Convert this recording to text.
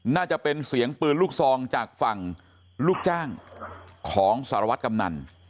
น่าจะเป็นเสียงปืนลูกซองจากฝั่งลูกจ้างของสารวัตรกำนัน